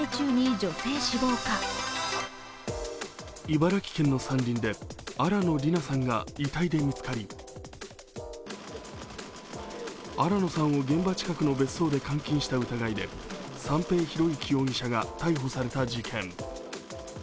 茨城県の山林で新野りなさんが遺体で見つかり新野さんを現場近くの別荘で監禁した疑いで三瓶博幸容疑者が逮捕された事件。